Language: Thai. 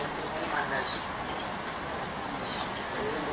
สวัสดีครับ